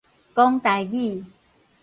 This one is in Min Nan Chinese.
講台語